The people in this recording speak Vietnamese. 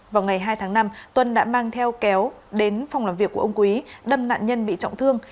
vào ngày hai tháng năm tuân đã mang theo kéo đến phòng làm việc của ông quý đâm nạn nhân bị trọng thương